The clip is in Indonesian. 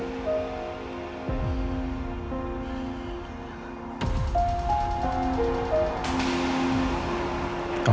gak ada apa apa